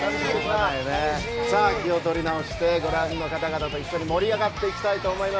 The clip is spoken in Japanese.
気を取り直してご覧の方々と一緒に盛り上がっていきたいと思います。